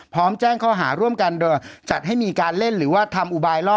พร้อมแจ้งข้อหาร่วมกันโดยจัดให้มีการเล่นหรือว่าทำอุบายล่อ